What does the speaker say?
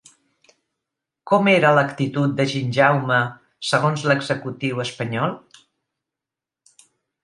Com era l'actitud de Ginjaume segons l'executiu espanyol?